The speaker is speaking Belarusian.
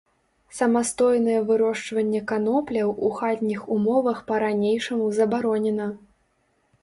Самастойнае вырошчванне канопляў у хатніх умовах па-ранейшаму забаронена.